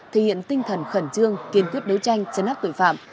thể hiện tinh thần khẩn trương kiên quyết đấu tranh chấn áp tội phạm